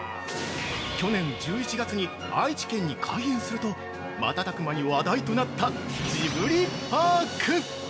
去年１１月に愛知県に開園すると瞬く間に話題となったジブリパーク！